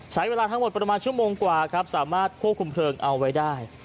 ใช้เวลาทั้งหมดประมาณชั่วโมงกว่าครับสามารถควบคุมเพลิงเอาไว้ได้